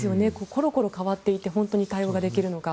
コロコロ代わっていて本当に対応ができるのか。